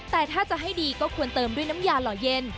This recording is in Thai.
แต่ถ้าจะให้ดีก็ควรเติมด้วยน้ำยาหล่อเย็น